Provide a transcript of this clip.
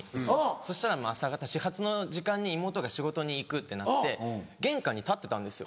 そしたら朝方始発の時間に妹が仕事に行くってなって玄関に立ってたんですよ。